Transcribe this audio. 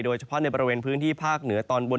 โดยเฉพาะในบริเวณพื้นที่ภาคเหนือตอนบน